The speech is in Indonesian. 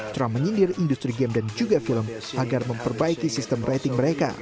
trump menyindir industri game dan juga film agar memperbaiki sistem rating mereka